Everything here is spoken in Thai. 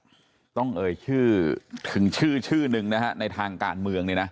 ต้องเอ่ยชื่อถึงชื่อชื่อหนึ่งนะฮะในทางการเมืองเนี่ยนะ